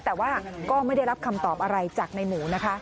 แต่ว่าก็ไม่ได้รับคำตอบอะไรจากในหมูนะคะ